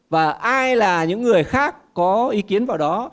và ai là những người khác có ý kiến vào đó